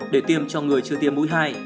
để tiêm cho người chưa tiêm mũi hai